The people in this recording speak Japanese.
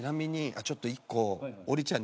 ちょっと１個。